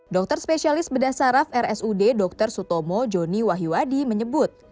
dokter spesialis bedah saraf rsud dr sutomo joni wahiwadi menyebut